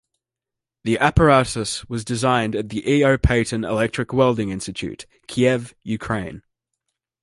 The apparatus was designed at the E. O. Paton Electric Welding Institute, Kiev, Ukraine.